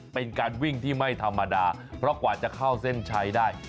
เป็นการวิ่งที่ไม่ธรรมดาเพราะกว่าจะเข้าเส้นชัยได้